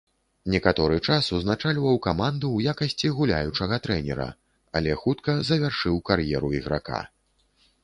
Некаторы час узначальваў каманду ў якасці гуляючага трэнера, але хутка завяршыў кар'еру іграка.